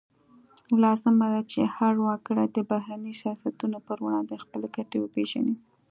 لازمه ده چې هر وګړی د بهرني سیاستونو پر وړاندې خپلې ګټې وپیژني